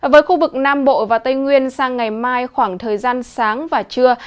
với khu vực nam bộ và tây nguyên sang ngày mai khoảng thời gian sáng và trưa